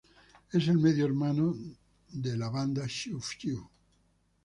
Es el medio hermano de de la banda Xiu Xiu.